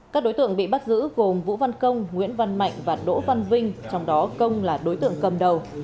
các đối tượng bị bắt giữ gồm vũ văn công nguyễn văn mạnh và đỗ văn vinh trong đó công là đối tượng cầm đầu